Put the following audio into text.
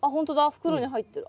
袋に入ってる。